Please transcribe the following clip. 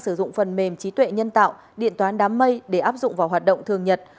sử dụng phần mềm trí tuệ nhân tạo điện toán đám mây để áp dụng vào hoạt động thường nhật